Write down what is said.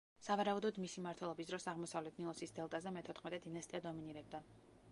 სავარაუდოდ მისი მმართველობის დროს აღმოსავლეთ ნილოსის დელტაზე მეთოთხმეტე დინასტია დომინირებდა.